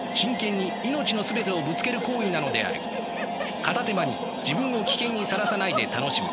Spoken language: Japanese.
片手間に自分を危険にさらさないで楽しむ。